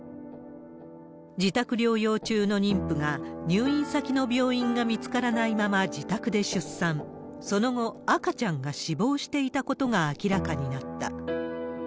自宅療養中の妊婦が、入院先の病院が見つからないまま自宅で出産、その後、赤ちゃんが死亡していたことが明らかになった。